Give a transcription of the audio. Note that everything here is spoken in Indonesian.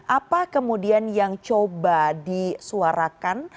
apa kemudian yang coba disuarakan